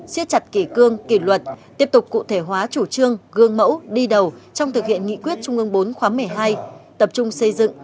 xiết chặt kỷ cương kỷ luật tiếp tục cụ thể hóa chủ trương gương mẫu đi đầu trong thực hiện nghị quyết trung ương bốn khóa một mươi hai tập trung xây dựng